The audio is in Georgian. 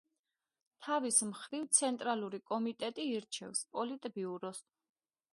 თავის მხრივ ცენტრალური კომიტეტი ირჩევს პოლიტბიუროს.